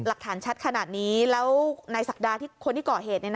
หลักฐานชัดขนาดนี้แล้วนายศักดาที่คนที่ก่อเหตุ